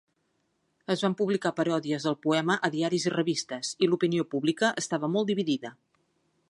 Es van publicar paròdies del poema a diaris i revistes, i l'opinió pública estava molt dividida.